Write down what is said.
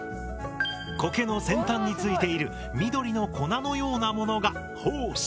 コケの先端についている緑の粉のようなものが胞子。